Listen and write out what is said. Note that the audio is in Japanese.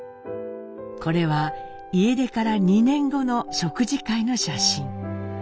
これは家出から２年後の食事会の写真。